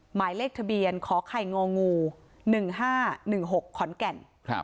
หมายเลขทะเบียนขอไข่งองู๑๕๑๖ขอนแก่น